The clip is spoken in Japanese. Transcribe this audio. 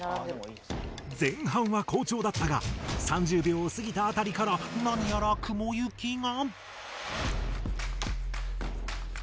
前半は好調だったが３０秒を過ぎた辺りから何やら雲行きが。